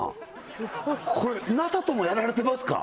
すごいこれＮＡＳＡともやられてますか？